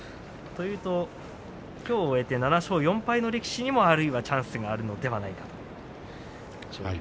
きょう終えて７勝４敗の力士にもチャンスがあるのではないかと。